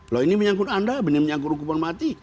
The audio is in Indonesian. kalau ini menyangkut anda ini menyangkut hukuman mati